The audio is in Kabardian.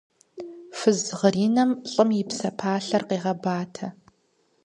Фыз гъринэм лӀым и псэпалъэр къегъэбатэ.